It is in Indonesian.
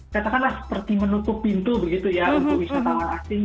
katakanlah seperti menutup pintu untuk wisatawan asing